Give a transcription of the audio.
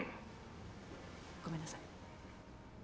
ごめんなさい。